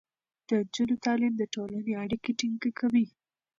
د نجونو تعليم د ټولنې اړيکې ټينګې کوي.